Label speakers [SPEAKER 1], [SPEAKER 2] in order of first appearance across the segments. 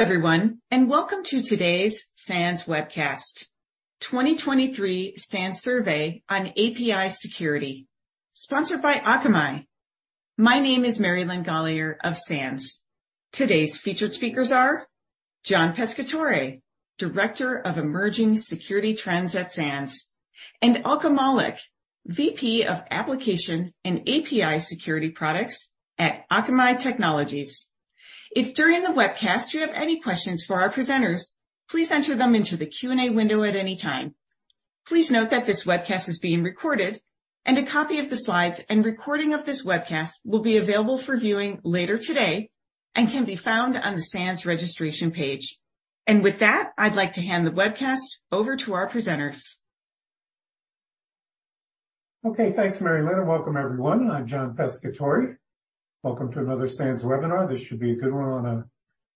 [SPEAKER 1] Hello everyone, and welcome to today's SANS webcast, 2023 SANS Survey on API Security, sponsored by Akamai. My name is Marilyn Galler of SANS. Today's featured speakers are John Pescatore, Director of Emerging Security Trends at SANS, and Malcolm Malik, VP of Application and API Security Products at Akamai Technologies. If during the webcast you have any questions for our presenters, please enter them into the Q&A window at any time. Please note that this webcast is being recorded, and a copy of the slides and recording of this webcast will be available for viewing later today and can be found on the SANS registration page. With that, I'd like to hand the webcast over to our presenters.
[SPEAKER 2] Okay, thanks Marilyn. Welcome everyone. I'm John Pescatore. Welcome to another SANS webinar. This should be a good one on a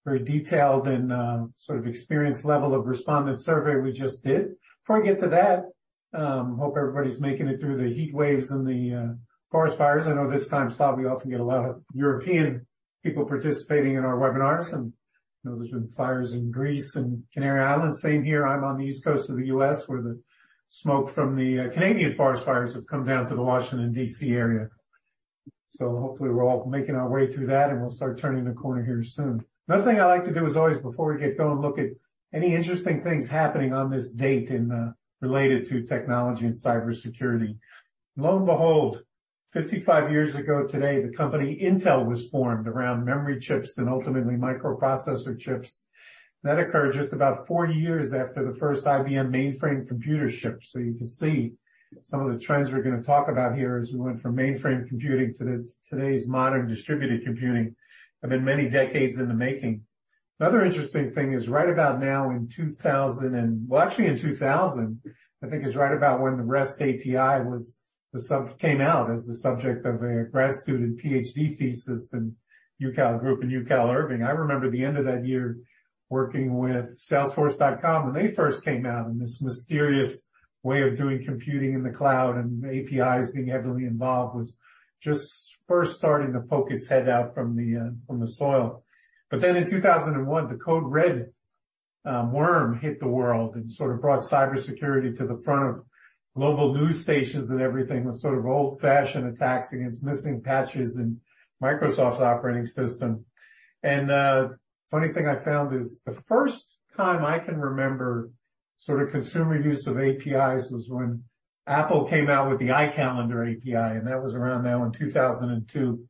[SPEAKER 2] very detailed and sort of experienced level of respondent survey we just did. Before I get to that, I hope everybody's making it through the heat waves and the forest fires. I know this time slot we often get a lot of European people participating in our webinars, and there's been fires in Greece and Canary Islands. Same here. I'm on the East Coast of the US where the smoke from the Canadian forest fires has come down to the Washington, DC area. Hopefully we're all making our way through that, and we'll start turning the corner here soon. Another thing I like to do is always, before we get going, look at any interesting things happening on this date related to technology and cybersecurity. Lo and behold, 55 years ago today, the company Intel was formed around memory chips and ultimately microprocessor chips. That occurred just about 40 years after the first IBM mainframe computer ship. You can see some of the trends we're going to talk about here as we went from mainframe computing to today's modern distributed computing. I've been many decades in the making. Another interesting thing is right about now in 2000, and actually in 2000, I think is right about when the REST API came out as the subject of a grad student PhD thesis in UC Group and UC Irvine. I remember the end of that year working with Salesforce.com when they first came out and this mysterious way of doing computing in the cloud and APIs being heavily involved was just first starting to poke its head out from the soil. Then in 2001, the Code Red worm hit the world and sort of brought cybersecurity to the front of global news stations and everything with sort of old-fashioned attacks against missing patches in Microsoft's operating system. The funny thing I found is the first time I can remember sort of consumer use of APIs was when Apple came out with the iCalendar API, and that was around now in 2002.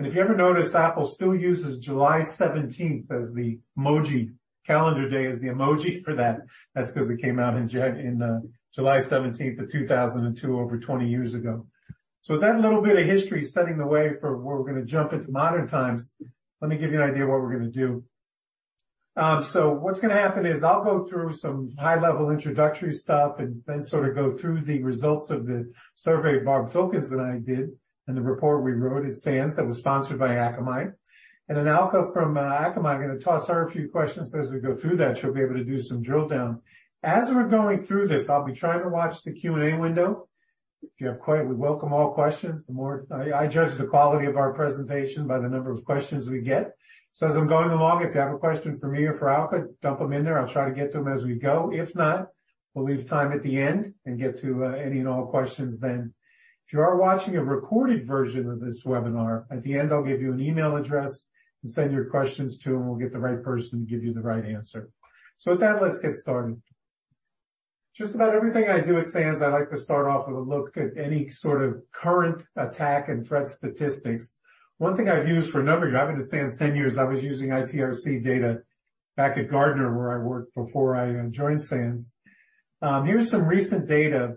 [SPEAKER 2] If you ever noticed, Apple still uses July 17th as the emoji calendar day, as the emoji for that. That's because it came out in July 17th of 2002, over 20 years ago. With that little bit of history setting the way for where we're going to jump into modern times, let me give you an idea of what we're going to do. What's going to happen is I'll go through some high-level introductory stuff and then sort of go through the results of the survey Barb Filkins and I did and the report we wrote at SANS that was sponsored by Akamai. Then Alka from Akamai, I'm going to toss her a few questions as we go through that. She'll be able to do some drill down. As we're going through this, I'll be trying to watch the Q&A window. If you have a question, we welcome all questions. I judge the quality of our presentation by the number of questions we get. As I'm going along, if you have a question for me or for Alka, dump them in there. I'll try to get to them as we go. If not, we'll leave time at the end and get to any and all questions then. If you are watching a recorded version of this webinar, at the end, I'll give you an email address and send your questions to them. We'll get the right person to give you the right answer. With that, let's get started. Just about everything I do at SANS, I like to start off with a look at any sort of current attack and threat statistics. One thing I've used for a number of years, I've been at SANS 10 years, I was using ITRC data back at Gartner where I worked before I joined SANS. Here's some recent data.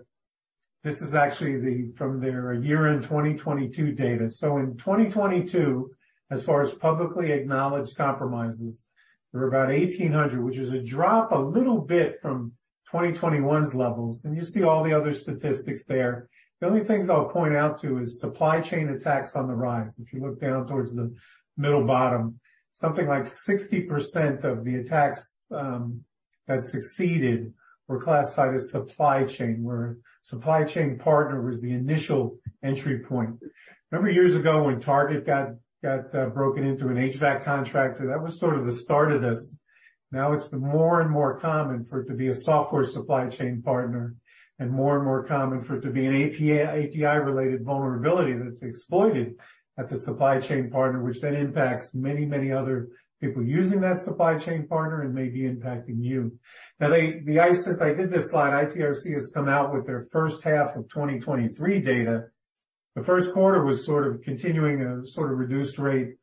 [SPEAKER 2] This is actually from their year-end 2022 data. In 2022, as far as publicly acknowledged compromises, there were about 1,800, which is a drop a little bit from 2021's levels. You see all the other statistics there. The only things I'll point out to is supply chain attacks on the rise. If you look down towards the middle bottom, something like 60% of the attacks that succeeded were classified as supply chain, where supply chain partner was the initial entry point. Remember years ago when Target got broken into an HVAC contractor? That was sort of the start of this. Now it's been more and more common for it to be a software supply chain partner and more and more common for it to be an API-related vulnerability that's exploited at the supply chain partner, which then impacts many, many other people using that supply chain partner and may be impacting you. Now, since I did this slide, ITRC has come out with their first half of 2023 data. The first quarter was sort of continuing a sort of reduced rate,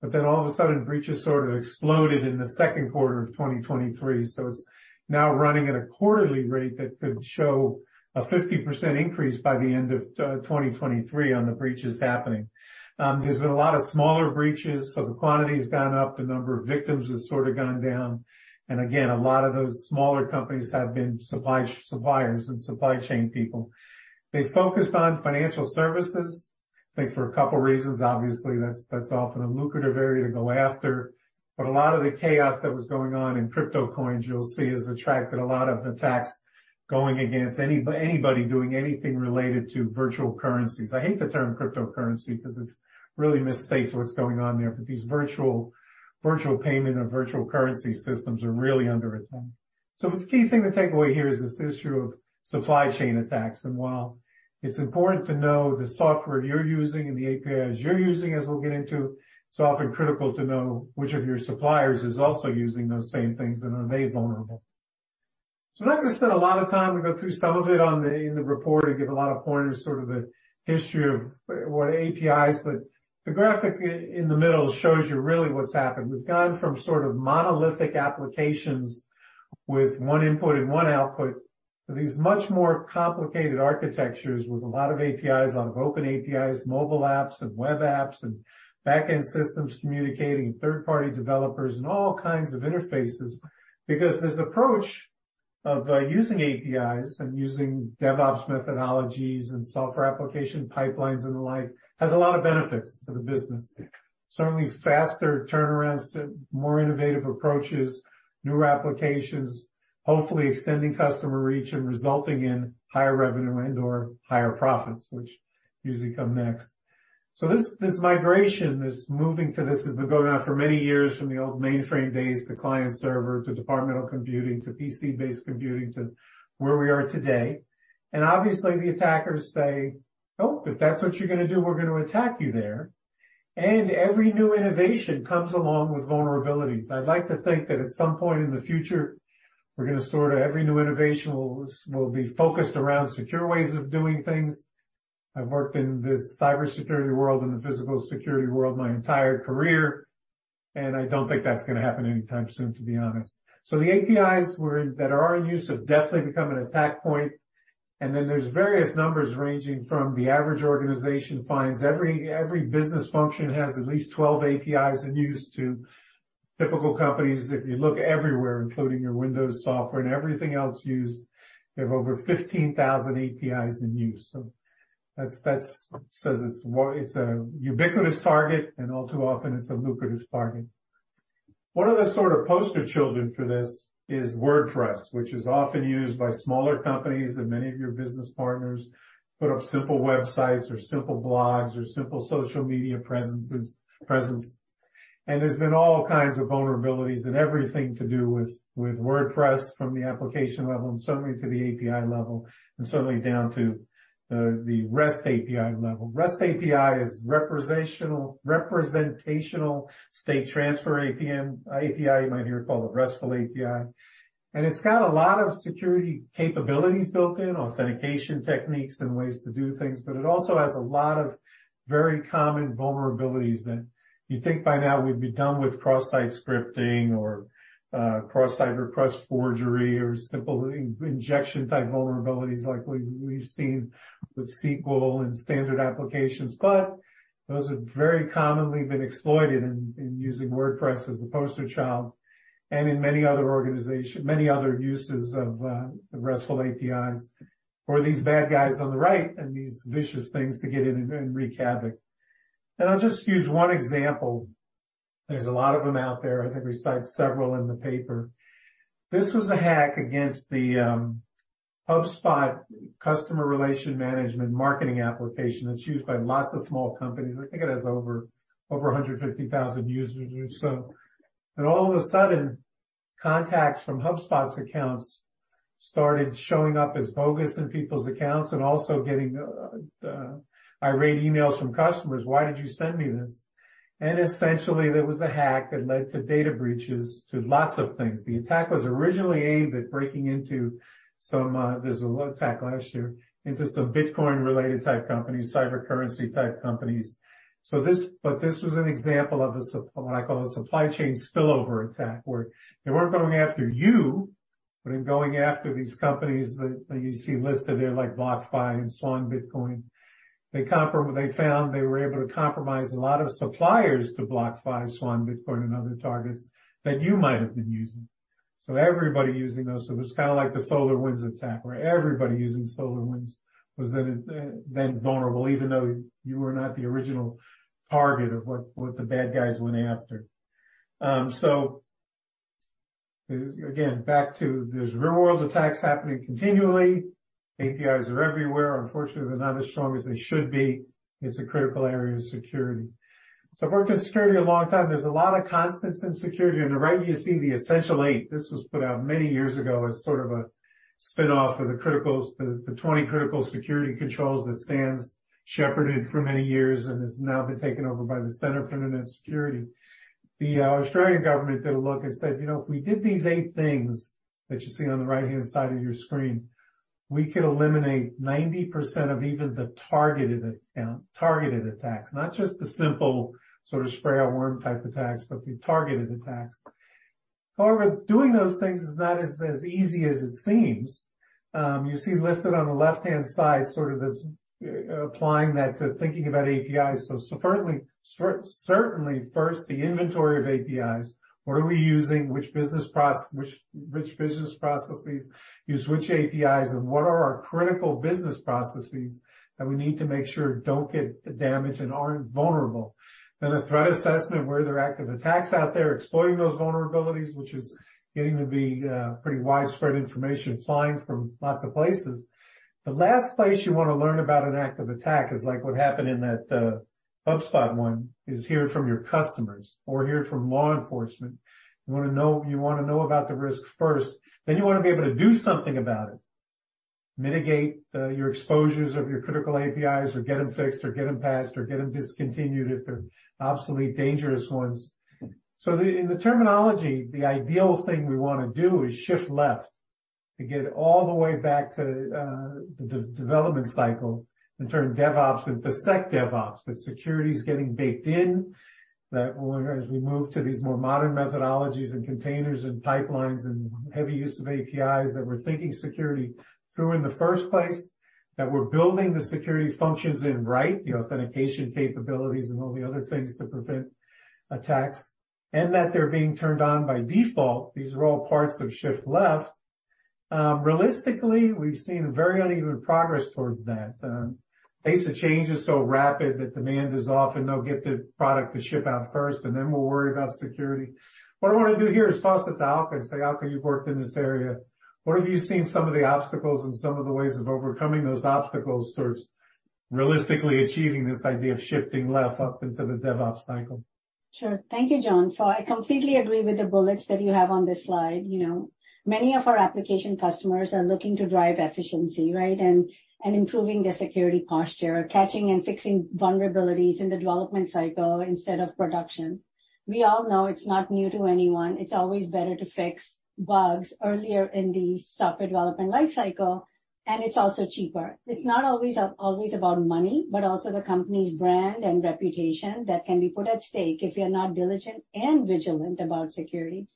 [SPEAKER 2] but then all of a sudden breaches sort of exploded in the second quarter of 2023. It is now running at a quarterly rate that could show a 50% increase by the end of 2023 on the breaches happening. There has been a lot of smaller breaches, so the quantity has gone up. The number of victims has sort of gone down. Again, a lot of those smaller companies have been suppliers and supply chain people. They focused on financial services. I think for a couple of reasons, obviously that is often a lucrative area to go after. A lot of the chaos that was going on in crypto coins, you will see, has attracted a lot of attacks going against anybody doing anything related to virtual currencies. I hate the term cryptocurrency because it really misstates what's going on there, but these virtual payment and virtual currency systems are really under attack. The key thing to take away here is this issue of supply chain attacks. While it's important to know the software you're using and the APIs you're using, as we'll get into, it's often critical to know which of your suppliers is also using those same things and are they vulnerable. I'm not going to spend a lot of time. We go through some of it in the report and give a lot of pointers, sort of the history of what APIs, but the graphic in the middle shows you really what's happened. We've gone from sort of monolithic applications with one input and one output to these much more complicated architectures with a lot of APIs, a lot of open APIs, mobile apps and web apps, and backend systems communicating with third-party developers and all kinds of interfaces. Because this approach of using APIs and using DevOps methodologies and software application pipelines and the like has a lot of benefits to the business. Certainly faster turnarounds, more innovative approaches, newer applications, hopefully extending customer reach and resulting in higher revenue and/or higher profits, which usually come next. This migration, this moving to this has been going on for many years from the old mainframe days to client server, to departmental computing, to PC-based computing, to where we are today. Obviously the attackers say, "Oh, if that's what you're going to do, we're going to attack you there." Every new innovation comes along with vulnerabilities. I'd like to think that at some point in the future, we're going to sort of every new innovation will be focused around secure ways of doing things. I've worked in this cybersecurity world and the physical security world my entire career, and I don't think that's going to happen anytime soon, to be honest. The APIs that are in use have definitely become an attack point. There are various numbers ranging from the average organization finds every business function has at least 12 APIs in use to typical companies. If you look everywhere, including your Windows software and everything else used, you have over 15,000 APIs in use. That says it's a ubiquitous target, and all too often it's a lucrative target. One of the sort of poster children for this is WordPress, which is often used by smaller companies and many of your business partners to put up simple websites or simple blogs or simple social media presence. There's been all kinds of vulnerabilities and everything to do with WordPress from the application level and certainly to the API level and certainly down to the REST API level. REST API is Representational State Transfer API, you might hear it called a RESTful API. It has a lot of security capabilities built in, authentication techniques and ways to do things, but it also has a lot of very common vulnerabilities that you think by now we'd be done with, cross-site scripting or cross-site request forgery or simple injection type vulnerabilities like we've seen with SQL and standard applications. Those have very commonly been exploited in using WordPress as the poster child and in many other uses of RESTful APIs for these bad guys on the right and these vicious things to get in and wreak havoc. I'll just use one example. There are a lot of them out there. I think we cite several in the paper. This was a hack against the HubSpot Customer Relation Management marketing application that's used by lots of small companies. I think it has over 150,000 users or so. All of a sudden, contacts from HubSpot's accounts started showing up as bogus in people's accounts and also getting irate emails from customers. "Why did you send me this?" Essentially there was a hack that led to data breaches to lots of things. The attack was originally aimed at breaking into some—there's a little attack last year—into some Bitcoin-related type companies, cyber currency type companies. This was an example of what I call a supply chain spillover attack, where they weren't going after you, but they're going after these companies that you see listed there like BlockFi and Swan Bitcoin. They found they were able to compromise a lot of suppliers to BlockFi, Swan Bitcoin, and other targets that you might have been using. Everybody using those. It was kind of like the SolarWinds attack, where everybody using SolarWinds was then vulnerable, even though you were not the original target of what the bad guys went after. Again, back to there's real-world attacks happening continually. APIs are everywhere. Unfortunately, they're not as strong as they should be. It's a critical area of security. I've worked in security a long time. There's a lot of constants in security. On the right, you see the Essential Eight. This was put out many years ago as sort of a spinoff of the 20 critical security controls that SANS shepherded for many years and has now been taken over by the Center for Internet Security. The Australian government did a look and said, "If we did these eight things that you see on the right-hand side of your screen, we could eliminate 90% of even the targeted attacks, not just the simple sort of spray-out worm type attacks, but the targeted attacks." However, doing those things is not as easy as it seems. You see listed on the left-hand side sort of applying that to thinking about APIs. Certainly first, the inventory of APIs. What are we using? Which business processes use which APIs? And what are our critical business processes that we need to make sure do not get damaged and are not vulnerable? Then a threat assessment, where there are active attacks out there exploiting those vulnerabilities, which is getting to be pretty widespread information flying from lots of places. The last place you want to learn about an active attack is like what happened in that HubSpot one is hearing from your customers or hearing from law enforcement. You want to know about the risk first. Then you want to be able to do something about it, mitigate your exposures of your critical APIs or get them fixed or get them patched or get them discontinued if they're obsolete, dangerous ones. In the terminology, the ideal thing we want to do is shift left to get all the way back to the development cycle and turn DevOps into SecDevOps, that security is getting baked in, that as we move to these more modern methodologies and containers and pipelines and heavy use of APIs that we're thinking security through in the first place, that we're building the security functions in right, the authentication capabilities and all the other things to prevent attacks, and that they're being turned on by default. These are all parts of shift left. Realistically, we've seen very uneven progress towards that. Pace of change is so rapid that demand is often they'll get the product to ship out first, and then we'll worry about security. What I want to do here is toss it to Alka and say, "Alka, you've worked in this area. What have you seen some of the obstacles and some of the ways of overcoming those obstacles towards realistically achieving this idea of shifting left up into the DevOps cycle?
[SPEAKER 1] Sure. Thank you, John. I completely agree with the bullets that you have on this slide. Many of our application customers are looking to drive efficiency, right, and improving their security posture, catching and fixing vulnerabilities in the development cycle instead of production. We all know it's not new to anyone. It's always better to fix bugs earlier in the software development lifecycle, and it's also cheaper. It's not always about money, but also the company's brand and reputation that can be put at stake if you're not diligent and vigilant about security.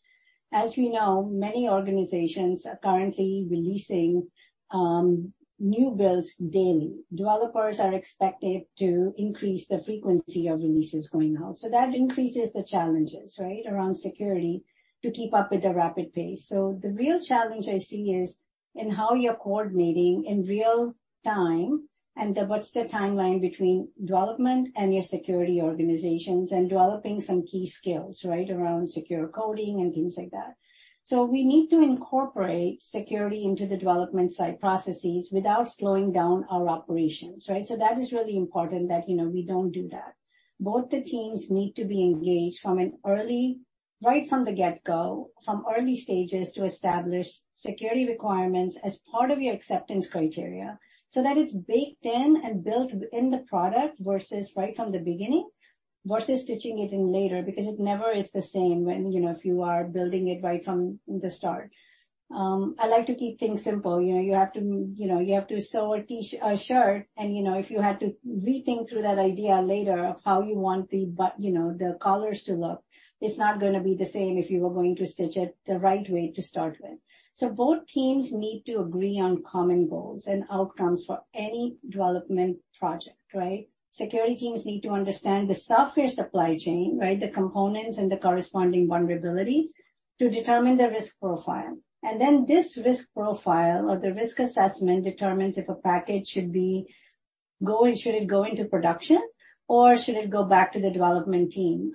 [SPEAKER 1] As we know, many organizations are currently releasing new builds daily. Developers are expected to increase the frequency of releases going out. That increases the challenges, right, around security to keep up with the rapid pace. The real challenge I see is in how you're coordinating in real time and what's the timeline between development and your security organizations and developing some key skills, right, around secure coding and things like that. We need to incorporate security into the development side processes without slowing down our operations, right? That is really important that we don't do that. Both the teams need to be engaged from an early, right from the get-go, from early stages to establish security requirements as part of your acceptance criteria so that it's baked in and built in the product versus right from the beginning versus stitching it in later because it never is the same if you are building it right from the start. I like to keep things simple. You have to sew a shirt, and if you had to rethink through that idea later of how you want the colors to look, it's not going to be the same if you were going to stitch it the right way to start with. Both teams need to agree on common goals and outcomes for any development project, right? Security teams need to understand the software supply chain, right, the components and the corresponding vulnerabilities to determine the risk profile. This risk profile or the risk assessment determines if a package should go into production or should it go back to the development team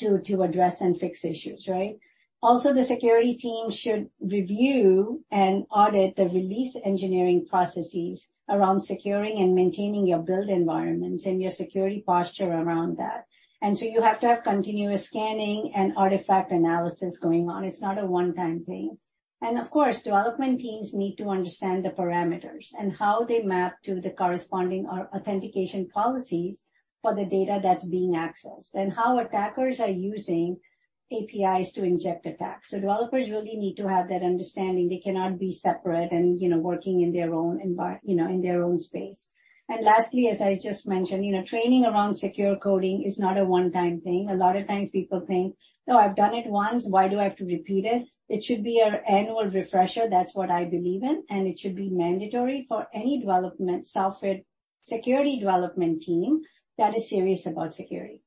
[SPEAKER 1] to address and fix issues, right? Also, the security team should review and audit the release engineering processes around securing and maintaining your build environments and your security posture around that. You have to have continuous scanning and artifact analysis going on. It's not a one-time thing. Development teams need to understand the parameters and how they map to the corresponding authentication policies for the data that's being accessed and how attackers are using APIs to inject attacks. Developers really need to have that understanding. They cannot be separate and working in their own space. Lastly, as I just mentioned, training around secure coding is not a one-time thing. A lot of times people think, "Oh, I've done it once. Why do I have to repeat it?" It should be an annual refresher. That's what I believe in. It should be mandatory for any software security development team that is serious about security.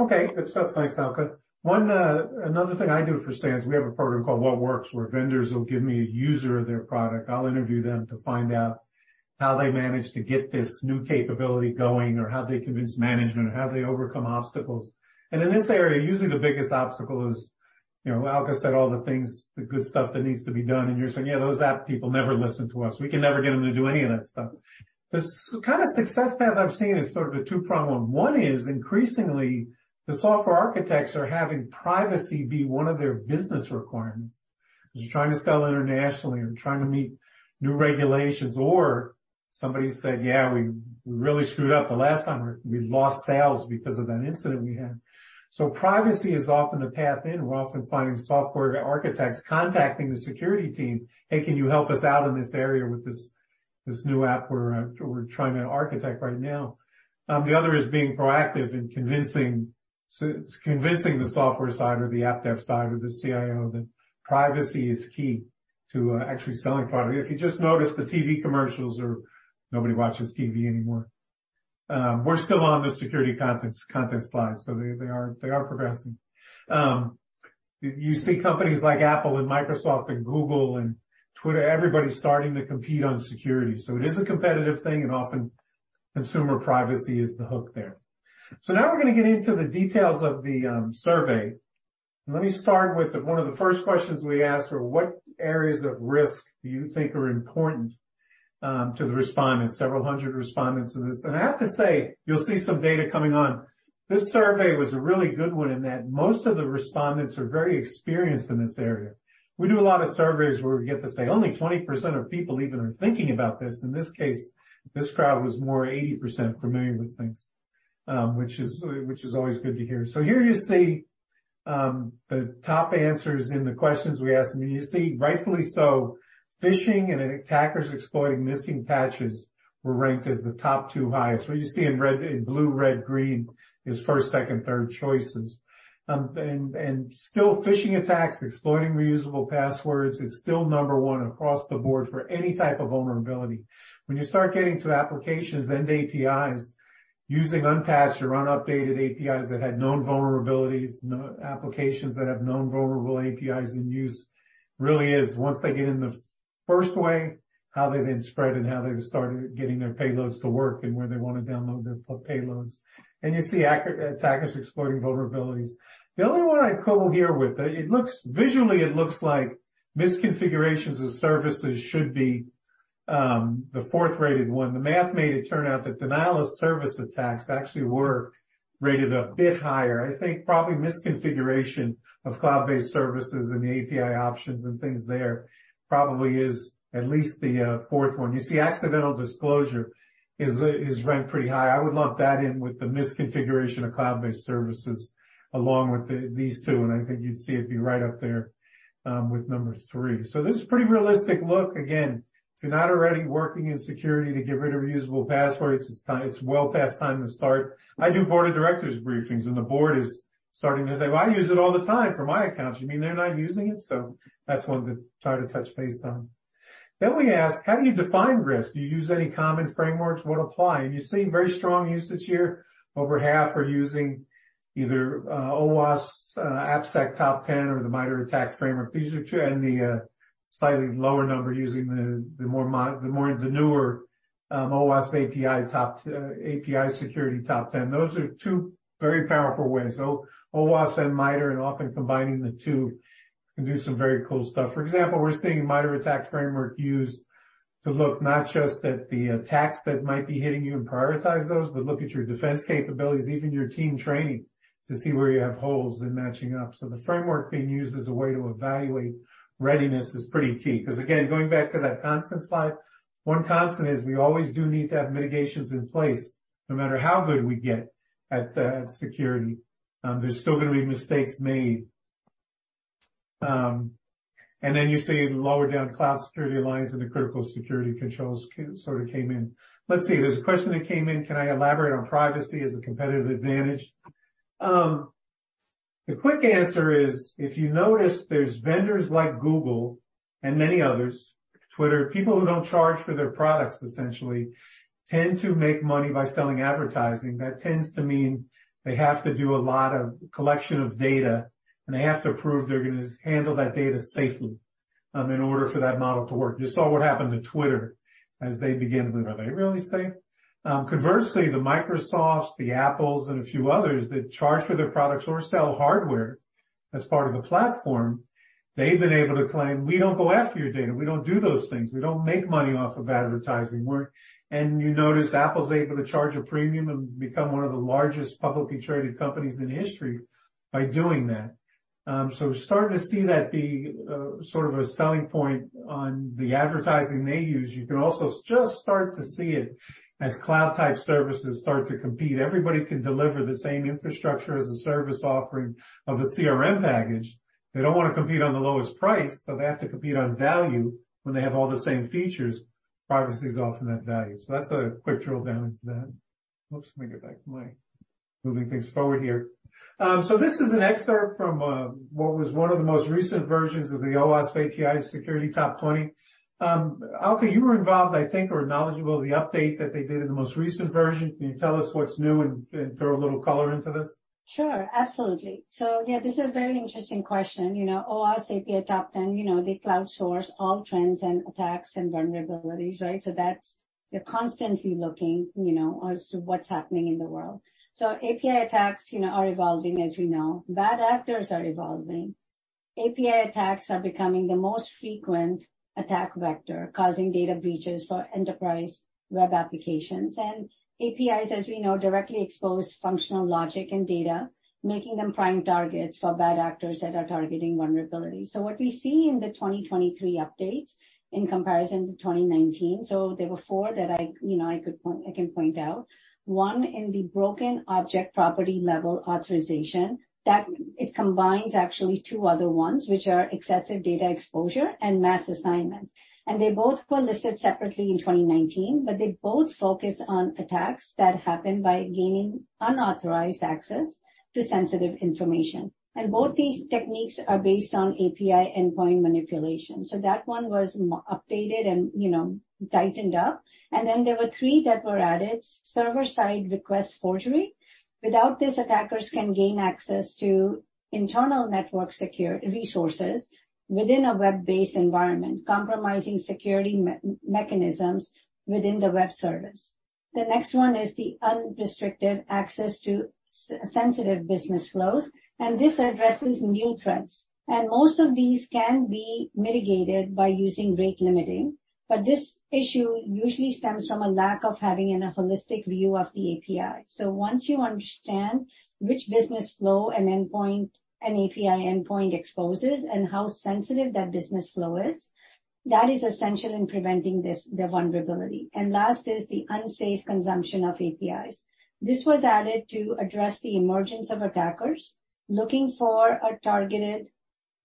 [SPEAKER 2] Okay. Good stuff. Thanks, Alka. Another thing I do for SANS, we have a program called What Works, where vendors will give me a user of their product. I'll interview them to find out how they managed to get this new capability going or how they convinced management, how they overcome obstacles. In this area, usually the biggest obstacle is, Alka said all the things, the good stuff that needs to be done, and you're saying, "Yeah, those app people never listen to us. We can never get them to do any of that stuff." The kind of success path I've seen is sort of a two-pronged one. One is increasingly the software architects are having privacy be one of their business requirements. They're trying to sell internationally or trying to meet new regulations, or somebody said, "Yeah, we really screwed up the last time. We lost sales because of that incident we had." Privacy is often the path in. We're often finding software architects contacting the security team, "Hey, can you help us out in this area with this new app we're trying to architect right now?" The other is being proactive and convincing the software side or the app dev side or the CIO that privacy is key to actually selling product. If you just noticed the TV commercials or nobody watches TV anymore, we're still on the security content slide. They are progressing. You see companies like Apple and Microsoft and Google and Twitter, everybody starting to compete on security. It is a competitive thing, and often consumer privacy is the hook there. Now we're going to get into the details of the survey. Let me start with one of the first questions we asked were, "What areas of risk do you think are important to the respondents?" Several hundred respondents to this. I have to say, you'll see some data coming on. This survey was a really good one in that most of the respondents are very experienced in this area. We do a lot of surveys where we get to say only 20% of people even are thinking about this. In this case, this crowd was more 80% familiar with things, which is always good to hear. Here you see the top answers in the questions we asked. You see, rightfully so, phishing and attackers exploiting missing patches were ranked as the top two highest. What you see in blue, red, green is first, second, third choices. Phishing attacks exploiting reusable passwords is still number one across the board for any type of vulnerability. When you start getting to applications and APIs using unpatched or unupdated APIs that had known vulnerabilities, applications that have known vulnerable APIs in use, really is once they get in the first way, how they then spread and how they started getting their payloads to work and where they want to download their payloads. You see attackers exploiting vulnerabilities. The only one I quibble here with, visually, it looks like misconfigurations of services should be the fourth-rated one. The math made it turn out that denial of service attacks actually were rated a bit higher. I think probably misconfiguration of cloud-based services and the API options and things there probably is at least the fourth one. You see accidental disclosure is ranked pretty high. I would lump that in with the misconfiguration of cloud-based services along with these two. I think you'd see it be right up there with number three. This is a pretty realistic look. Again, if you're not already working in security to get rid of reusable passwords, it's well past time to start. I do board of directors briefings, and the board is starting to say, "Well, I use it all the time for my accounts. You mean they're not using it?" That's one to try to touch base on. We ask, "How do you define risk? Do you use any common frameworks? What apply?" You see very strong usage here. Over half are using either OWASP AppSec Top 10 or the MITRE ATT&CK Framework. These are two, and the slightly lower number using the more the newer OWASP API Security Top 10. Those are two very powerful ways. OWASP and MITRE, and often combining the two can do some very cool stuff. For example, we're seeing MITRE ATT&CK Framework used to look not just at the attacks that might be hitting you and prioritize those, but look at your defense capabilities, even your team training to see where you have holes and matching up. The framework being used as a way to evaluate readiness is pretty key. Because again, going back to that constant slide, one constant is we always do need to have mitigations in place no matter how good we get at security. There's still going to be mistakes made. You see lower down Cloud Security Alliance and the critical security controls sort of came in. Let's see. There's a question that came in, "Can I elaborate on privacy as a competitive advantage?" The quick answer is, if you notice, there's vendors like Google and many others, Twitter, people who don't charge for their products, essentially, tend to make money by selling advertising. That tends to mean they have to do a lot of collection of data, and they have to prove they're going to handle that data safely in order for that model to work. You saw what happened to Twitter as they began to move. Are they really safe? Conversely, the Microsofts, the Apples, and a few others that charge for their products or sell hardware as part of the platform, they've been able to claim, "We don't go after your data. We don't do those things. We don't make money off of advertising." You notice Apple's able to charge a premium and become one of the largest publicly traded companies in history by doing that. Starting to see that be sort of a selling point on the advertising they use. You can also just start to see it as cloud-type services start to compete. Everybody can deliver the same infrastructure as a service offering of a CRM package. They don't want to compete on the lowest price, so they have to compete on value when they have all the same features, privacy's often that value. That's a quick drill down into that. Whoops, let me get back to my moving things forward here. This is an excerpt from what was one of the most recent versions of the OWASP API Security Top 20. Alka, you were involved, I think, or knowledgeable of the update that they did in the most recent version. Can you tell us what's new and throw a little color into this?
[SPEAKER 1] Sure. Absolutely. Yeah, this is a very interesting question. OWASP API Top 10, the cloud source, all trends and attacks and vulnerabilities, right? You're constantly looking as to what's happening in the world. API attacks are evolving, as we know. Bad actors are evolving. API attacks are becoming the most frequent attack vector, causing data breaches for enterprise web applications. APIs, as we know, directly expose functional logic and data, making them prime targets for bad actors that are targeting vulnerabilities. What we see in the 2023 updates in comparison to 2019, there were four that I can point out. One in the Broken Object Property Level Authorization. It combines actually two other ones, which are excessive data exposure and mass assignment. They both were listed separately in 2019, but they both focus on attacks that happen by gaining unauthorized access to sensitive information. Both these techniques are based on API endpoint manipulation. That one was updated and tightened up. There were three that were added. Server-Side Request Forgery. Without this, attackers can gain access to internal network resources within a web-based environment, compromising security mechanisms within the web service. The next one is the Unrestricted Access to Sensitive Business Flows. This addresses new threats. Most of these can be mitigated by using rate limiting. This issue usually stems from a lack of having a holistic view of the API. Once you understand which business flow an API endpoint exposes and how sensitive that business flow is, that is essential in preventing the vulnerability. Last is the Unsafe Consumption of APIs. This was added to address the emergence of attackers looking for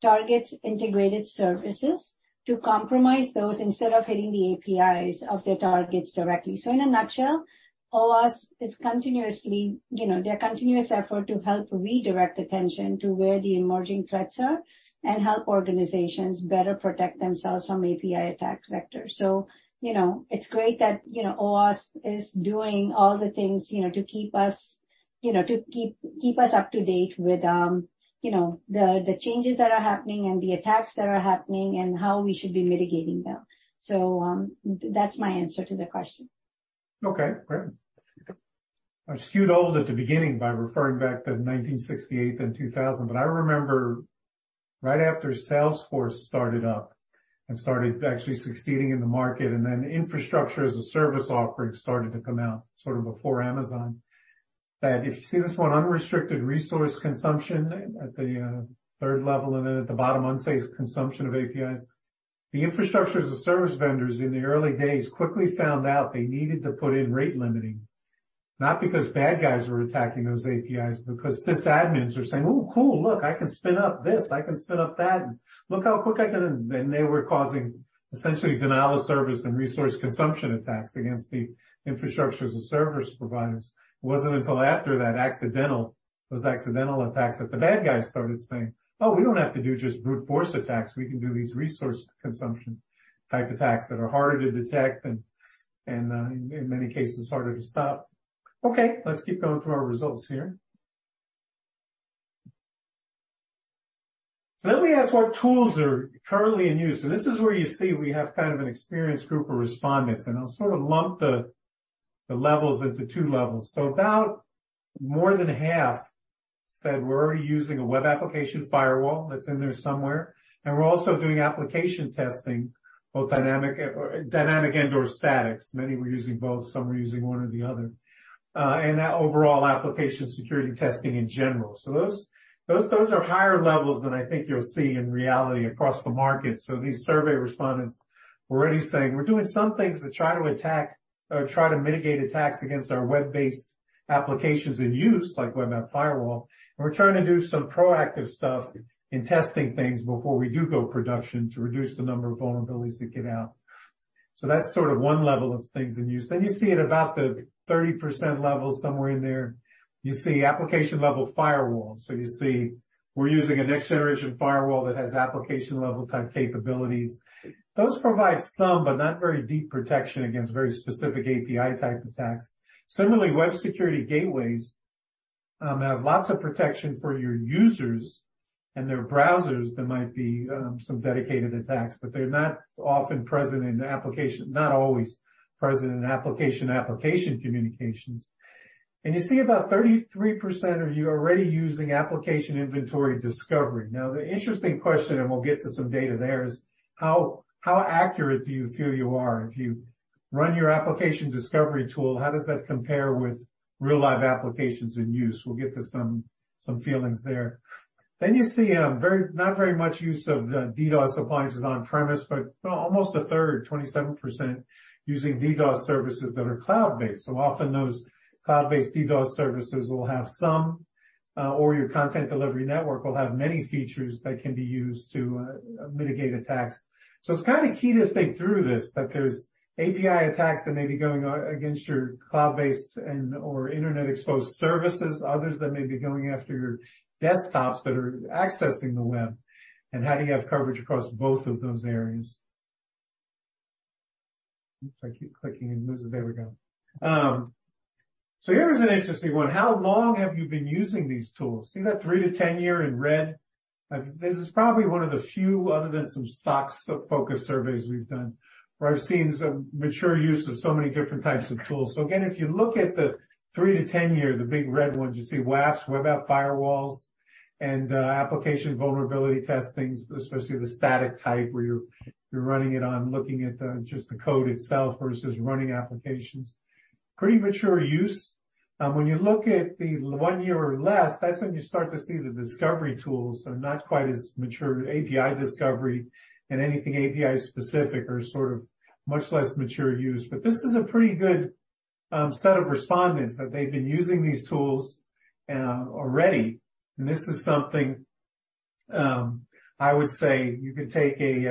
[SPEAKER 1] targets' integrated services to compromise those instead of hitting the APIs of their targets directly. In a nutshell, OWASP is continuously making a continuous effort to help redirect attention to where the emerging threats are and help organizations better protect themselves from API attack vectors. It is great that OWASP is doing all the things to keep us up to date with the changes that are happening and the attacks that are happening and how we should be mitigating them. That is my answer to the question.
[SPEAKER 2] Okay. Great. I skewed old at the beginning by referring back to 1968 and 2000, but I remember right after Salesforce started up and started actually succeeding in the market, and then infrastructure as a service offering started to come out sort of before Amazon. If you see this one, unrestricted resource consumption at the third level and then at the bottom, unsafe consumption of APIs. The infrastructure as a service vendors in the early days quickly found out they needed to put in rate limiting, not because bad guys were attacking those APIs, but because sysadmins were saying, "Oh, cool. Look, I can spin up this. I can spin up that. Look how quick I can." They were causing essentially denial of service and resource consumption attacks against the infrastructure as a service providers. It wasn't until after those accidental attacks that the bad guys started saying, "Oh, we don't have to do just brute force attacks. We can do these resource consumption type attacks that are harder to detect and in many cases harder to stop." Okay. Let's keep going through our results here. We asked what tools are currently in use. This is where you see we have kind of an experienced group of respondents. I'll sort of lump the levels into two levels. About more than half said, "We're already using a web application firewall that's in there somewhere. We're also doing application testing, both dynamic and/or static." Many were using both. Some were using one or the other. That overall application security testing in general. Those are higher levels than I think you'll see in reality across the market. These survey respondents were already saying, "We're doing some things to try to attack or try to mitigate attacks against our web-based applications in use, like web app firewall. And we're trying to do some proactive stuff in testing things before we do go production to reduce the number of vulnerabilities that get out." That's sort of one level of things in use. You see at about the 30% level somewhere in there, you see application-level firewall. You see, "We're using a next-generation firewall that has application-level type capabilities." Those provide some, but not very deep protection against very specific API-type attacks. Similarly, web security gateways have lots of protection for your users and their browsers that might be some dedicated attacks, but they're not often present in application, not always present in application-application communications. You see about 33% of you are already using application inventory discovery. The interesting question, and we'll get to some data there, is how accurate do you feel you are? If you run your application discovery tool, how does that compare with real-life applications in use? We'll get to some feelings there. You see not very much use of the DDoS appliances on-premise, but almost a third, 27%, using DDoS services that are cloud-based. Often those cloud-based DDoS services will have some, or your content delivery network will have many features that can be used to mitigate attacks. It is kind of key to think through this that there's API attacks that may be going against your cloud-based and/or internet-exposed services, others that may be going after your desktops that are accessing the web. How do you have coverage across both of those areas? I keep clicking and it moves. There we go. Here is an interesting one. How long have you been using these tools? See that 3-10 year in red? This is probably one of the few, other than some SOCs focused surveys we've done, where I've seen some mature use of so many different types of tools. Again, if you look at the 3-10 year, the big red ones, you see WAFs, web app firewalls, and application vulnerability testings, especially the static type where you're running it on looking at just the code itself versus running applications. Pretty mature use. When you look at the one year or less, that's when you start to see the discovery tools are not quite as mature. API discovery and anything API-specific are sort of much less mature use. This is a pretty good set of respondents that they've been using these tools already. This is something I would say you could take a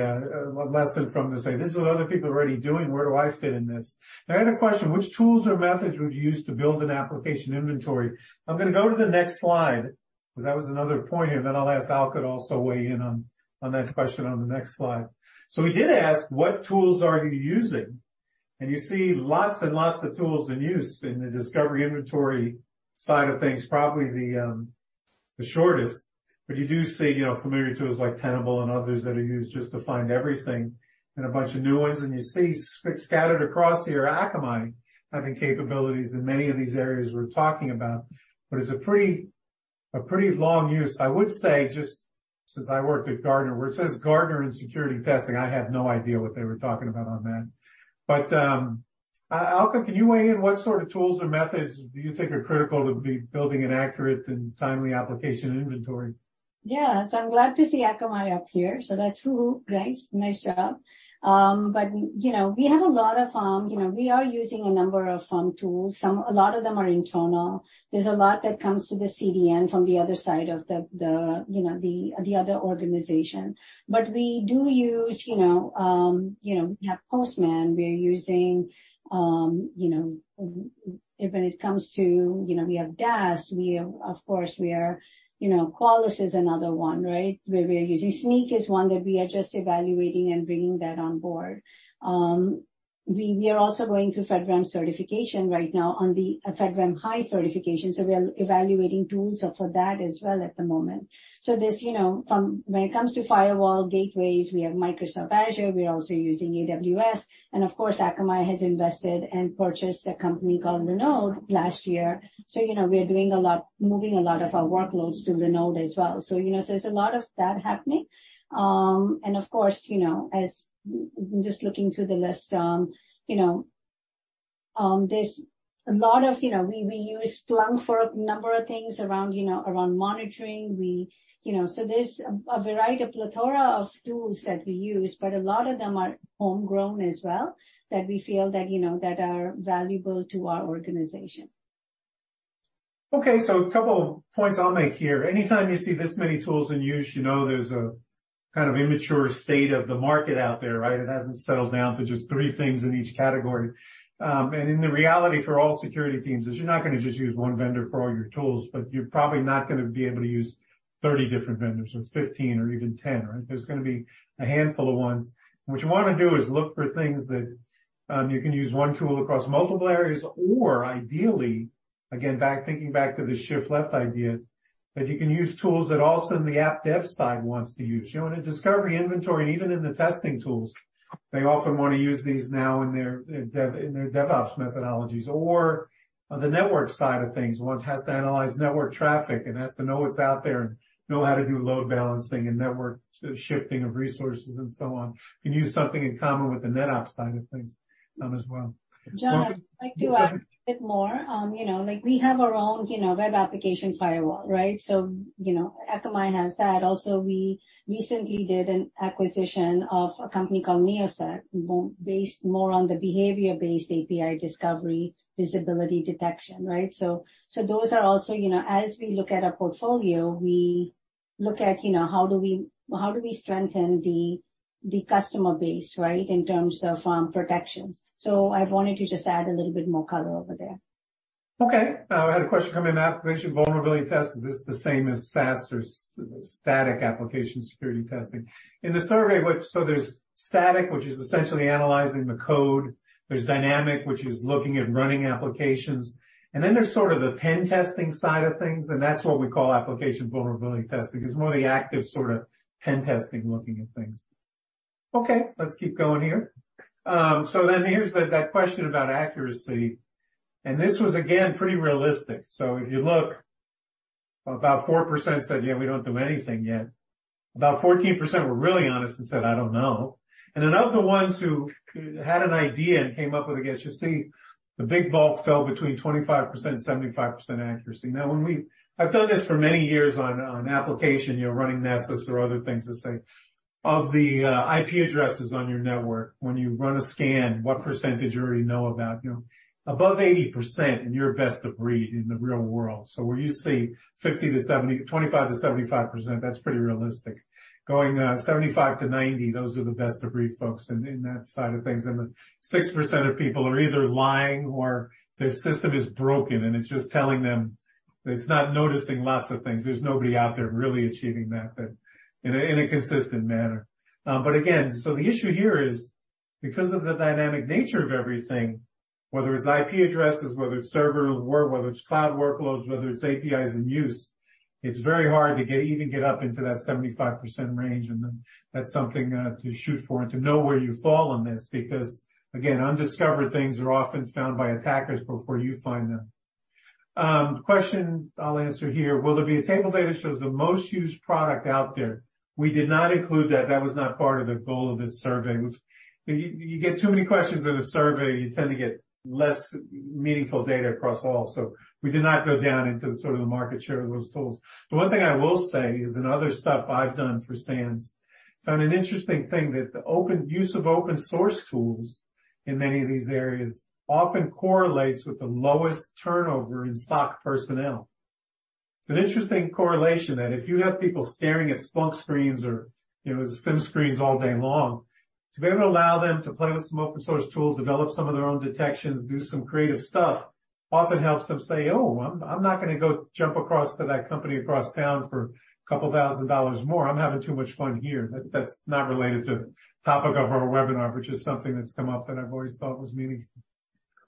[SPEAKER 2] lesson from to say, "This is what other people are already doing. Where do I fit in this?" Now, I had a question. Which tools or methods would you use to build an application inventory? I'm going to go to the next slide because that was another point here. I'll ask Alka to also weigh in on that question on the next slide. We did ask, "What tools are you using?" You see lots and lots of tools in use in the discovery inventory side of things, probably the shortest. You do see familiar tools like Tenable and others that are used just to find everything and a bunch of new ones.
[SPEAKER 1] You see scattered across here, Akamai having capabilities in many of these areas we're talking about. It's a pretty long use. I would say just since I worked at Gartner, where it says Gartner and security testing, I had no idea what they were talking about on that. Alka, can you weigh in? What sort of tools or methods do you think are critical to be building an accurate and timely application inventory? Yeah. I'm glad to see Akamai up here. That's who. Grace. Nice job. We are using a number of tools. A lot of them are internal. There's a lot that comes to the CDN from the other side of the other organization. We do use Postman. We're using, when it comes to, we have DAST. Of course, Qualys is another one, right? We're using Snyk, which is one that we are just evaluating and bringing on board. We are also going through FedRAMP certification right now on the FedRAMP High certification. We're evaluating tools for that as well at the moment. When it comes to firewall gateways, we have Microsoft Azure. We're also using AWS. Of course, Akamai has invested and purchased a company called Linode last year. We're doing a lot, moving a lot of our workloads to Linode as well. There's a lot of that happening. Of course, as I'm just looking through the list, we use Splunk for a number of things around monitoring. There's a variety, a plethora of tools that we use, but a lot of them are homegrown as well that we feel are valuable to our organization. Okay. A couple of points I'll make here. Anytime you see this many tools in use, you know there's a kind of immature state of the market out there, right? It hasn't settled down to just three things in each category. In the reality for all security teams, you're not going to just use one vendor for all your tools, but you're probably not going to be able to use 30 different vendors or 15 or even 10, right? There's going to be a handful of ones. What you want to do is look for things that you can use one tool across multiple areas, or ideally, again, thinking back to the shift-left idea, that you can use tools that also the app dev side wants to use. In discovery inventory, and even in the testing tools, they often want to use these now in their DevOps methodologies.
[SPEAKER 2] Or the network side of things wants to analyze network traffic and has to know what's out there and know how to do load balancing and network shifting of resources and so on. You can use something in common with the NetOps side of things as well.
[SPEAKER 1] John, I'd like to add a bit more. We have our own web application firewall, right? Akamai has that. Also, we recently did an acquisition of a company called Neosec based more on the behavior-based API discovery visibility detection, right? Those are also as we look at our portfolio, we look at how do we strengthen the customer base, right, in terms of protections. I wanted to just add a little bit more color over there.
[SPEAKER 2] Okay. I had a question come in. Application vulnerability tests, is this the same as SAST or static application security testing? In the survey, so there's static, which is essentially analyzing the code. There's dynamic, which is looking at running applications. Then there's sort of the pen testing side of things. That's what we call application vulnerability testing. It's more the active sort of pen testing looking at things. Okay. Let's keep going here. Here's that question about accuracy. This was, again, pretty realistic. If you look, about 4% said, "Yeah, we don't do anything yet." About 14% were really honest and said, "I don't know." Of the ones who had an idea and came up with a guess, you see the big bulk fell between 25%-75% accuracy. Now, I've done this for many years on application running Nessus or other things to say of the IP addresses on your network, when you run a scan, what percentage you already know about? Above 80%, you're best of breed in the real world. Where you see 25-75%, that's pretty realistic. Going 75-90, those are the best of breed folks in that side of things. And 6% of people are either lying or their system is broken, and it's just telling them it's not noticing lots of things. There's nobody out there really achieving that in a consistent manner. Again, the issue here is because of the dynamic nature of everything, whether it's IP addresses, whether it's server or whether it's cloud workloads, whether it's APIs in use, it's very hard to even get up into that 75% range. That's something to shoot for and to know where you fall on this because, again, undiscovered things are often found by attackers before you find them. Question I'll answer here. Will there be a table data shows the most used product out there? We did not include that. That was not part of the goal of this survey. You get too many questions in a survey, you tend to get less meaningful data across all. We did not go down into sort of the market share of those tools. The one thing I will say is in other stuff I've done for SANS, I found an interesting thing that the use of open-source tools in many of these areas often correlates with the lowest turnover in SOC personnel. It's an interesting correlation that if you have people staring at Splunk screens or SIM screens all day long, to be able to allow them to play with some open-source tools, develop some of their own detections, do some creative stuff, often helps them say, "Oh, I'm not going to go jump across to that company across town for a couple thousand dollars more. I'm having too much fun here." That's not related to the topic of our webinar, but just something that's come up that I've always thought was meaningful.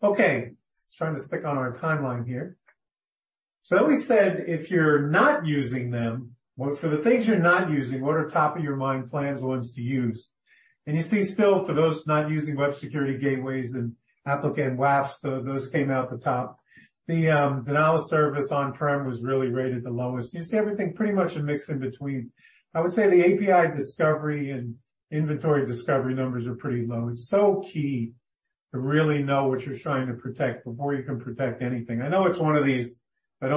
[SPEAKER 2] Okay. Just trying to stick on our timeline here. We said if you're not using them, for the things you're not using, what are top-of-your-mind plans ones to use? You see still for those not using web security gateways and application WAFs, those came out the top. The Denial of Service on-prem was really rated the lowest. You see everything pretty much a mix in between. I would say the API discovery and inventory discovery numbers are pretty low. It's so key to really know what you're trying to protect before you can protect anything. I know it's one of these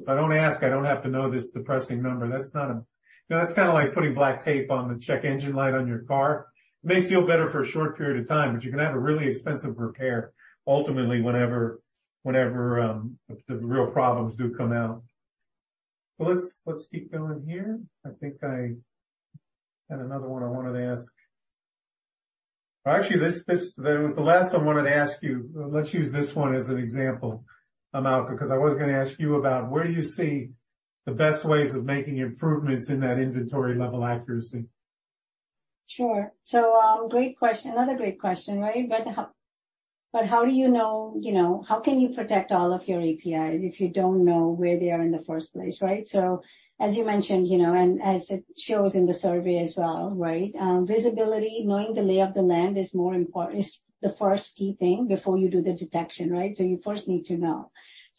[SPEAKER 2] if I don't ask, I don't have to know this depressing number. That's not a that's kind of like putting black tape on the check engine light on your car. It may feel better for a short period of time, but you can have a really expensive repair ultimately whenever the real problems do come out. Let's keep going here. I think I had another one I wanted to ask. Actually, the last one I wanted to ask you, let's use this one as an example, Malcolm, because I was going to ask you about where do you see the best ways of making improvements in that inventory-level accuracy?
[SPEAKER 1] Sure. Another great question, right? How do you know how can you protect all of your APIs if you don't know where they are in the first place, right? As you mentioned, and as it shows in the survey as well, right? Visibility, knowing the lay of the land is more important, is the first key thing before you do the detection, right? You first need to know.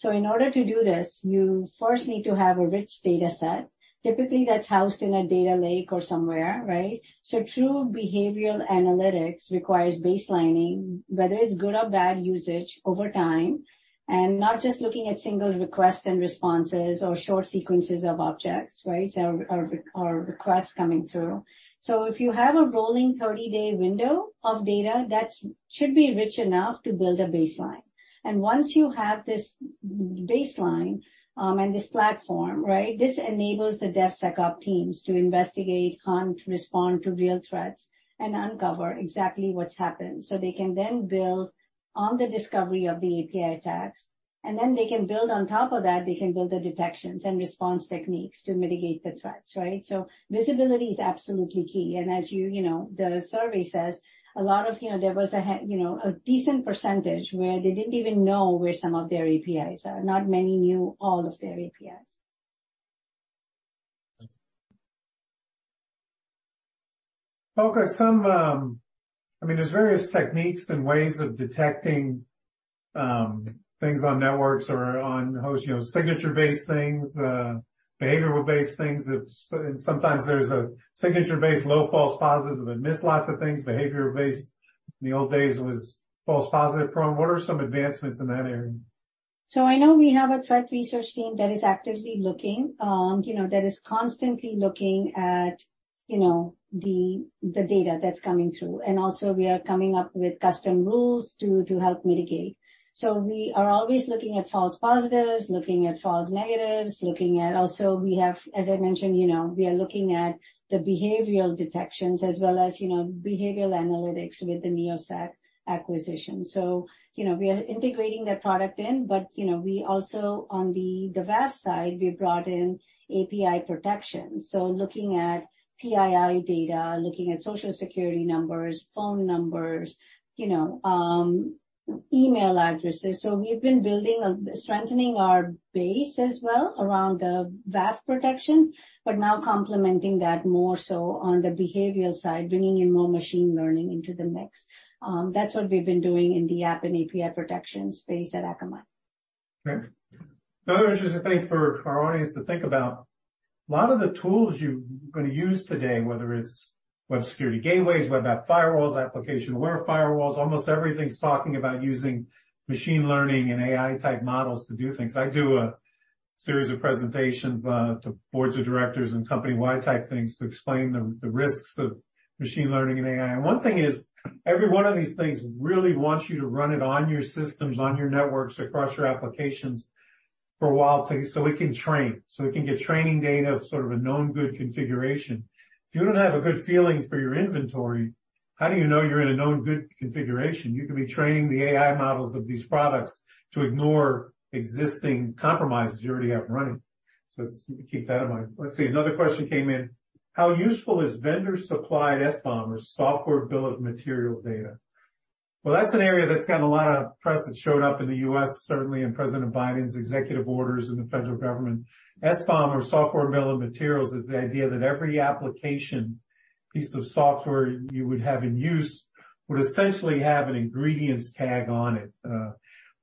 [SPEAKER 1] In order to do this, you first need to have a rich data set. Typically, that's housed in a data lake or somewhere, right? True behavioral analytics requires baselining, whether it's good or bad usage over time, and not just looking at single requests and responses or short sequences of objects, right, or requests coming through. If you have a rolling 30-day window of data, that should be rich enough to build a baseline. Once you have this baseline and this platform, right, this enables the DevSecOps teams to investigate, hunt, respond to real threats, and uncover exactly what's happened. They can then build on the discovery of the API attacks. They can build on top of that, they can build the detections and response techniques to mitigate the threats, right? Visibility is absolutely key. As the survey says, there was a decent percentage where they did not even know where some of their APIs are. Not many knew all of their APIs.
[SPEAKER 2] Okay. I mean, there's various techniques and ways of detecting things on networks or on signature-based things, behavioral-based things. Sometimes there's a signature-based low false positive that missed lots of things. Behavioral-based, in the old days, was false positive prone. What are some advancements in that area?
[SPEAKER 1] I know we have a threat research team that is actively looking, that is constantly looking at the data that's coming through. Also, we are coming up with custom rules to help mitigate. We are always looking at false positives, looking at false negatives, looking at also we have, as I mentioned, we are looking at the behavioral detections as well as behavioral analytics with the Neosec acquisition. We are integrating that product in. We also, on the DevApp side, brought in API protection. Looking at PII data, looking at Social Security numbers, phone numbers, email addresses. We have been strengthening our base as well around the WAF protections, but now complementing that more so on the behavioral side, bringing in more machine learning into the mix. That's what we've been doing in the app and API protection space at Akamai. Okay. Another interesting thing for our audience to think about, a lot of the tools you're going to use today, whether it's web security gateways, web app firewalls, application aware firewalls, almost everything's talking about using machine learning and AI-type models to do things. I do a series of presentations to boards of directors and company-wide type things to explain the risks of machine learning and AI. One thing is every one of these things really wants you to run it on your systems, on your networks, across your applications for a while so we can train. So we can get training data of sort of a known good configuration. If you don't have a good feeling for your inventory, how do you know you're in a known good configuration? You can be training the AI models of these products to ignore existing compromises you already have running. Keep that in mind. Let's see. Another question came in. How useful is vendor-supplied SBOM or software bill of material data? That is an area that has gotten a lot of press. It showed up in the U.S., certainly, and President Biden's executive orders in the federal government. SBOM or software bill of materials is the idea that every application piece of software you would have in use would essentially have an ingredients tag on it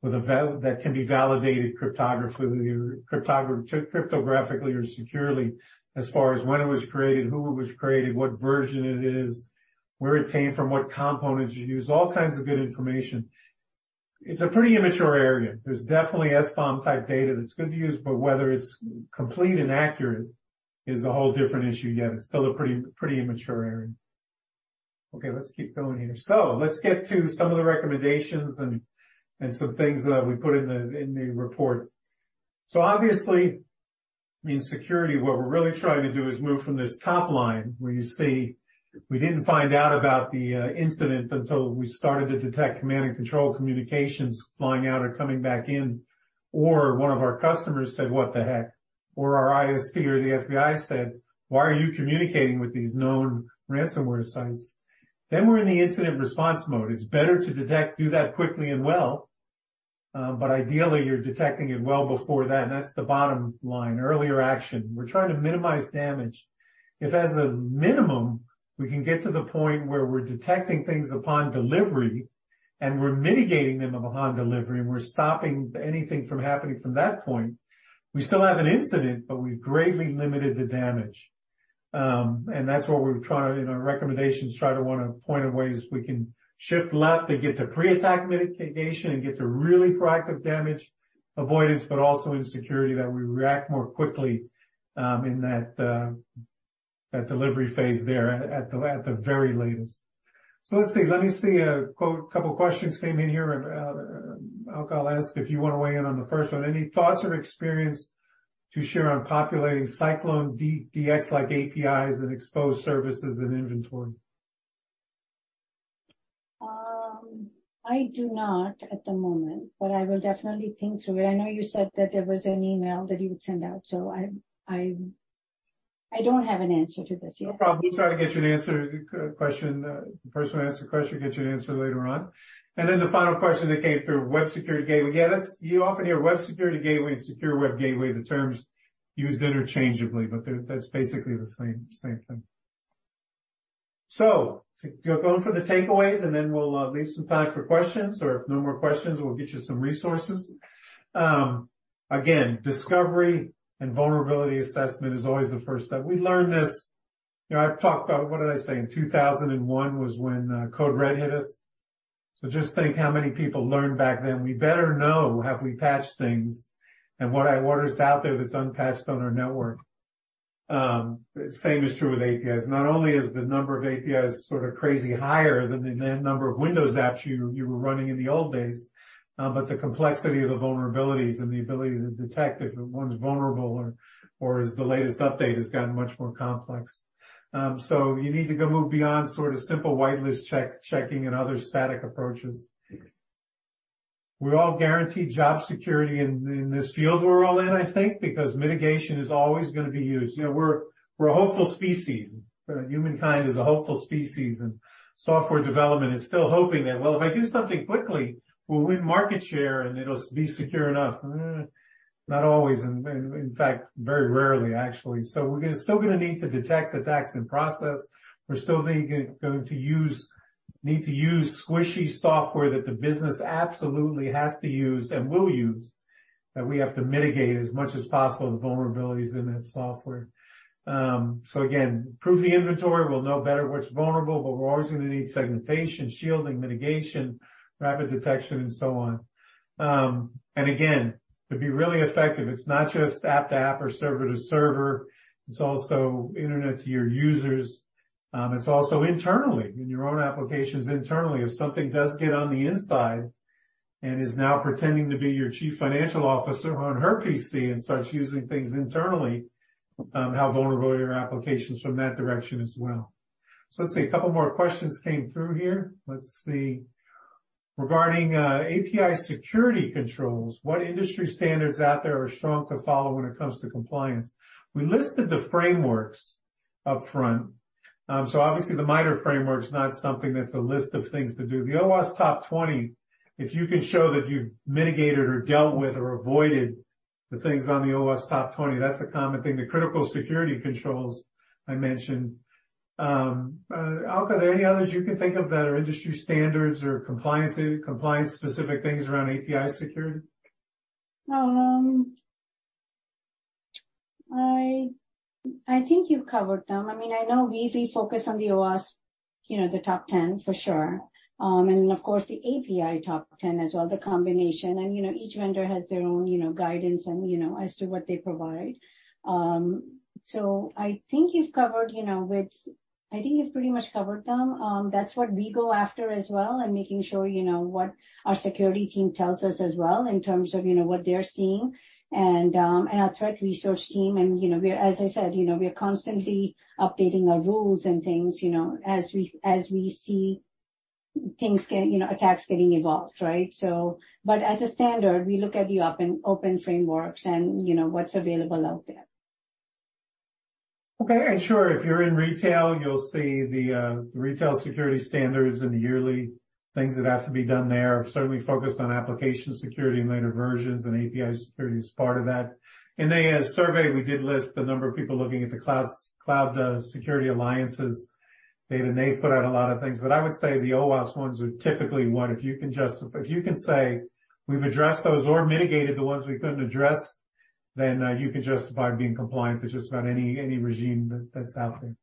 [SPEAKER 1] that can be validated cryptographically or securely as far as when it was created, who it was created, what version it is, where it came from, what components you use, all kinds of good information. It is a pretty immature area. There is definitely SBOM-type data that is good to use, but whether it is complete and accurate is a whole different issue yet. It is still a pretty immature area. Okay. Let's keep going here.
[SPEAKER 2] Let's get to some of the recommendations and some things that we put in the report. Obviously, in security, what we're really trying to do is move from this top line where you see we didn't find out about the incident until we started to detect command and control communications flying out or coming back in, or one of our customers said, "What the heck?" or our ISP or the FBI said, "Why are you communicating with these known ransomware sites?" We're in the incident response mode. It's better to detect, do that quickly and well. Ideally, you're detecting it well before that. That's the bottom line, earlier action. We're trying to minimize damage. If as a minimum, we can get to the point where we're detecting things upon delivery and we're mitigating them upon delivery and we're stopping anything from happening from that point, we still have an incident, but we've greatly limited the damage. That's what we're trying to in our recommendations try to want to point in ways we can shift left to get to pre-attack mitigation and get to really proactive damage avoidance, but also in security that we react more quickly in that delivery phase there at the very latest. Let's see. Let me see a couple of questions came in here. Malcolm, I'll ask if you want to weigh in on the first one. Any thoughts or experience to share on populating CycloneDX-like APIs and exposed services and inventory?
[SPEAKER 1] I do not at the moment, but I will definitely think through it. I know you said that there was an email that you would send out. I do not have an answer to this yet.
[SPEAKER 2] No problem. We'll try to get you an answer to the question, the personal answer question, get you an answer later on. The final question that came through, web security gateway. Again, you often hear web security gateway and secure web gateway, the terms used interchangeably, but that's basically the same thing. Going for the takeaways, and then we'll leave some time for questions. If no more questions, we'll get you some resources. Again, discovery and vulnerability assessment is always the first step. We learned this. I've talked about, what did I say? In 2001 was when Code Red hit us. Just think how many people learned back then. We better know have we patched things and what is out there that's unpatched on our network. Same is true with APIs. Not only is the number of APIs sort of crazy higher than the number of Windows apps you were running in the old days, but the complexity of the vulnerabilities and the ability to detect if one's vulnerable or is the latest update has gotten much more complex. You need to go move beyond sort of simple whitelist checking and other static approaches. We're all guaranteed job security in this field we're all in, I think, because mitigation is always going to be used. We're a hopeful species. Humankind is a hopeful species. And software development is still hoping that, well, if I do something quickly, we'll win market share and it'll be secure enough. Not always. In fact, very rarely, actually. We're still going to need to detect attacks in process. We're still going to need to use squishy software that the business absolutely has to use and will use that we have to mitigate as much as possible the vulnerabilities in that software. Again, proof of inventory, we'll know better what's vulnerable, but we're always going to need segmentation, shielding, mitigation, rapid detection, and so on. To be really effective, it's not just app to app or server to server. It's also internet to your users. It's also internally, in your own applications internally. If something does get on the inside and is now pretending to be your Chief Financial Officer on her PC and starts using things internally, how vulnerable are your applications from that direction as well? Let's see. A couple more questions came through here. Let's see. Regarding API security controls, what industry standards out there are strong to follow when it comes to compliance? We listed the frameworks upfront. Obviously, the MITRE framework is not something that's a list of things to do. The OWASP Top 20, if you can show that you've mitigated or dealt with or avoided the things on the OWASP Top 20, that's a common thing. The critical security controls I mentioned. Malcolm, are there any others you can think of that are industry standards or compliance-specific things around API security? I think you've covered them. I mean, I know we focus on the OWASP, the Top 10, for sure. Of course, the API Top 10 as well, the combination. Each vendor has their own guidance as to what they provide. I think you've pretty much covered them. That's what we go after as well and making sure what our security team tells us as well in terms of what they're seeing. Our threat research team, as I said, we are constantly updating our rules and things as we see attacks getting evolved, right? As a standard, we look at the open frameworks and what's available out there. Okay. Sure, if you're in retail, you'll see the retail security standards and the yearly things that have to be done there. Certainly focused on application security and later versions and API security as part of that. In a survey, we did list the number of people looking at the Cloud Security Alliance. David and Nate put out a lot of things. I would say the OWASP ones are typically what? If you can say, "We've addressed those or mitigated the ones we couldn't address," then you can justify being compliant to just about any regime that's out there.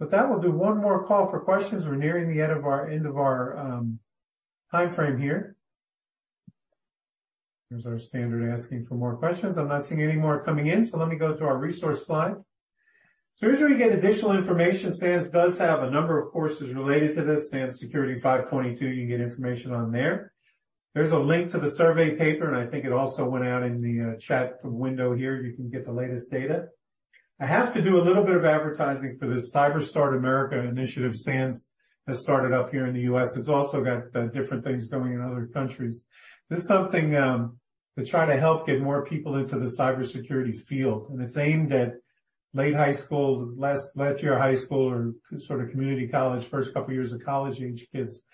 [SPEAKER 2] That will do one more call for questions. We're nearing the end of our time frame here. There's our standard asking for more questions. I'm not seeing any more coming in. Let me go to our resource slide. Here's where you get additional information. SANS does have a number of courses related to this. SANS Security 522, you can get information on there. There is a link to the survey paper, and I think it also went out in the chat window here. You can get the latest data. I have to do a little bit of advertising for the CyberStart America initiative SANS has started up here in the U.S. It is also got different things going in other countries. This is something to try to help get more people into the cybersecurity field. It is aimed at late high school, last year of high school, or sort of community college, first couple of years of college-age kids.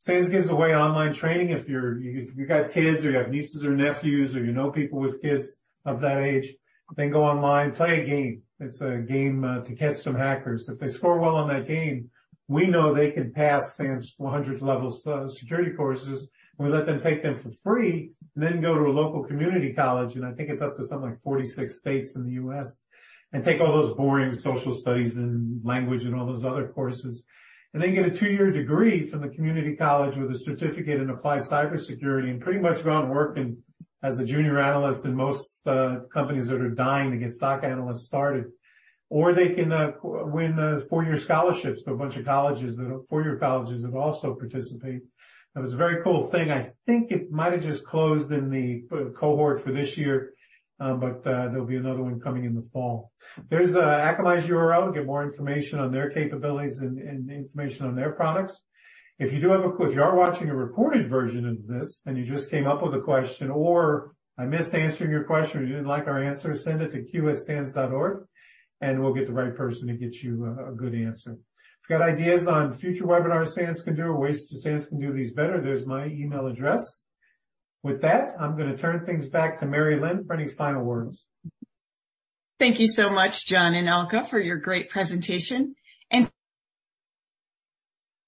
[SPEAKER 2] SANS gives away online training. If you have got kids or you have nieces or nephews or you know people with kids of that age, then go online, play a game. It's a game to catch some hackers. If they score well on that game, we know they can pass SANS 100-level security courses. We let them take them for free and then go to a local community college. I think it's up to something like 46 states in the U.S. and take all those boring social studies and language and all those other courses. Then get a two-year degree from the community college with a certificate in applied cybersecurity and pretty much go out and work as a junior analyst in most companies that are dying to get stock analysts started. Or they can win four-year scholarships to a bunch of colleges that are four-year colleges that also participate. It was a very cool thing. I think it might have just closed in the cohort for this year, but there'll be another one coming in the fall. There's Akamai's URL. Get more information on their capabilities and information on their products. If you do have a quick, if you are watching a recorded version of this and you just came up with a question or I missed answering your question or you didn't like our answer, send it to q@sans.org and we'll get the right person to get you a good answer. If you've got ideas on future webinars SANS can do or ways SANS can do these better, there's my email address. With that, I'm going to turn things back to Marilyn Gayler for any final words.
[SPEAKER 3] Thank you so much, John and Alka, for your great presentation and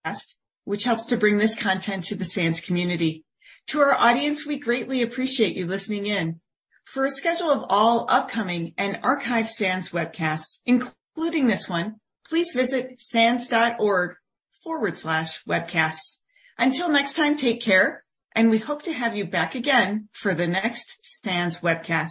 [SPEAKER 3] test, which helps to bring this content to the SANS community. To our audience, we greatly appreciate you listening in. For a schedule of all upcoming and archived SANS webcasts, including this one, please visit sans.org/webcasts. Until next time, take care, and we hope to have you back again for the next SANS webcast.